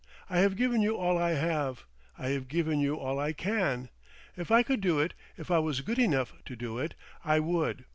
"I have given you all I have, I have given you all I can. If I could do it, if I was good enough to do it, I would.